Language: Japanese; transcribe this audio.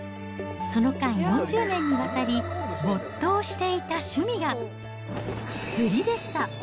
その間、４０年にわたり没頭していた趣味が、釣りでした。